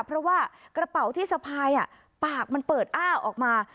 เพราะว่ากระเป๋าที่สะพายปากมันเปิดอ้าออกมา